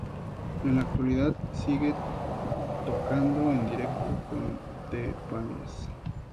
En la actualidad, sigue tocando en directo con The Bangles.